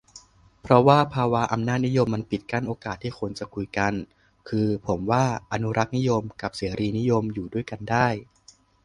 เพราะว่าภาวะอำนาจนิยมมันปิดกั้นโอกาสที่คนจะคุยกัน คือผมว่าอนุรักษนิยมกับเสรีนิยมอยู่ด้วยกันได้